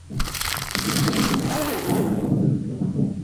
কিন্তু বাভুমা কাল মনে করিয়ে দিলেন, মাঝেমধ্যে ফিল্ডিং দিয়েও ম্যাচ জেতা যায়।